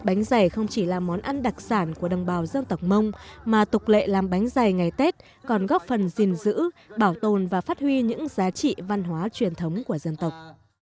bánh dày không chỉ là món ăn đặc sản của đồng bào dân tộc mông mà tục lệ làm bánh dày ngày tết còn góp phần gìn giữ bảo tồn và phát huy những giá trị văn hóa truyền thống của dân tộc